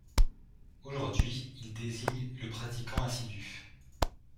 Aujourd'hui il désigne le pratiquant assidu.